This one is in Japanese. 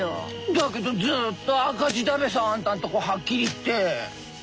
だけどずっと赤字だべさあんたのとこはっきり言って。